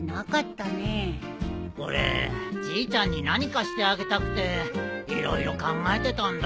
俺じいちゃんに何かしてあげたくて色々考えてたんだ。